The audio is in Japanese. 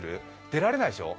出られないでしょう。